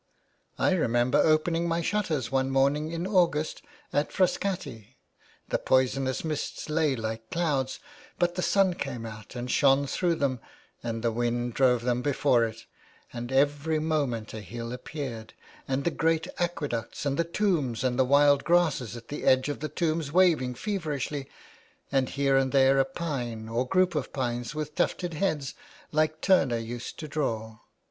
I remember opening my shutters one morning in AugustatFrascati. The poisonous mists lay like clouds, but the sun came out and shone through them, and the wind drove them before it, and every moment a hill appeared, and the great aqueducts, and the tombs, and the wild grasses at the edge of the tombs waving feverishly; and here and there a pine, or group of pines with tufted heads, like Turner used to draw.